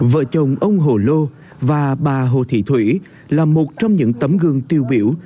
vợ chồng ông hồ lô và bà hồ thị thủy là một trong những tấm gương tiêu biểu